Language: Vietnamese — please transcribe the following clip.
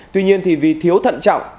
tuy nhiên thì vì thiếu thận trọng